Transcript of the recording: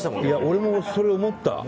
いや俺もそれ思った。